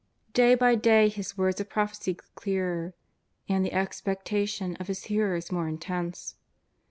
Day by day his words of prophecy grew clearer, and the expectation of his hearers more intense.